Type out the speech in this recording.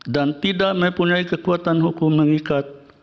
dan tidak mempunyai kekuatan hukum mengikat